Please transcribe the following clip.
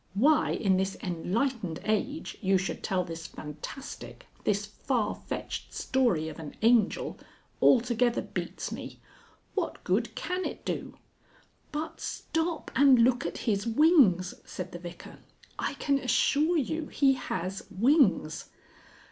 Why, in this enlightened age, you should tell this fantastic, this far fetched story of an Angel, altogether beats me. What good can it do?..." "But stop and look at his wings!" said the Vicar. "I can assure you he has wings!"